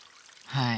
はい。